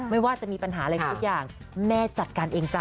ไม่ว่าจะมีปัญหาอะไรทุกอย่างแม่จัดการเองจ้